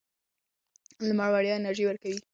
لمر وړیا انرژي ورکوي.